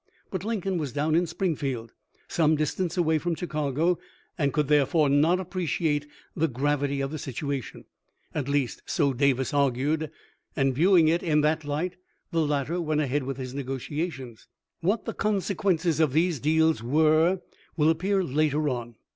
But Lincoln was down in Springfield, some dis tance away from Chicago, and could therefore not appreciate the gravity of the situation ; at least so Davis argued, and, viewing it in that light, the latter went ahead with his negotiations. What the conse quences of these deals were will appear later on.